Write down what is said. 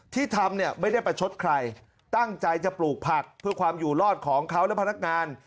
ที่ทำเนี่ยไม่ได้ประชดใครตั้งใจจะปลูกผักเพื่อความอยู่รอดของเขาและพนักงาน